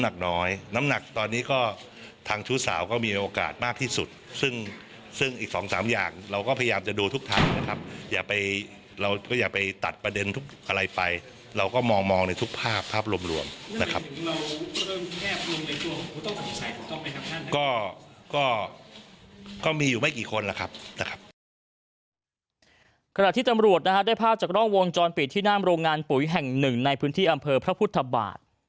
ขณะที่ตำรวจนะฮะได้ภาพจากกล้องวงจรปิดที่หน้าโรงงานปุ๋ยแห่งหนึ่งในพื้นที่อำเภอพระพุทธบาท